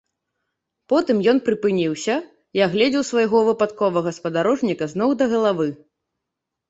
Потым ён прыпыніўся і агледзеў свайго выпадковага спадарожніка з ног да галавы.